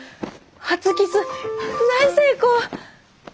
初キス大成功！